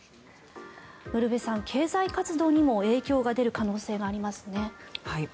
ウルヴェさん、経済活動にも影響が出る可能性がありますね。